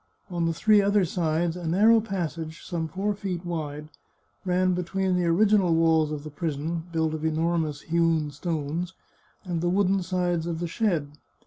On the three other sides a narrow passage, some four feet wide, ran between the original walls of the prison, built of enormous hewn stones, and the wooden sides of the shed.